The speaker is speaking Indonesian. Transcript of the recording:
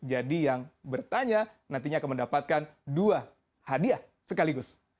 jadi yang bertanya nantinya akan mendapatkan dua hadiah sekaligus